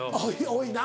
多いな。